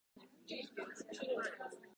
少年よ神話になれ